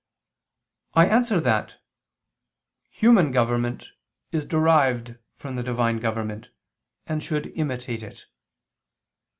I answer that, Human government is derived from the Divine government, and should imitate it.